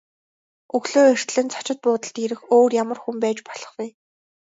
Өглөө эртлэн зочид буудалд ирэх өөр ямар хүн байж болох вэ?